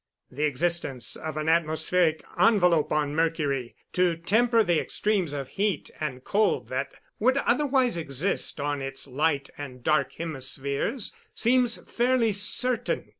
The existence of an atmospheric envelope on Mercury, to temper the extremes of heat and cold that would otherwise exist on its light and dark hemispheres, seems fairly certain.